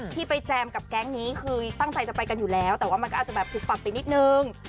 ที่ไปแจมกับแก๊งนี้คือตั้งใจจะไปกันอยู่แล้วแต่ว่ามันก็อาจจะแบบปลุกฝักไปนิดนึง